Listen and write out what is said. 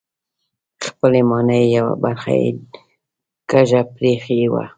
خپلې ماڼۍ یوه برخه یې کږه پرېښې وه.